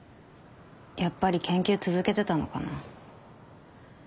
やっぱり研究続けてたのかな？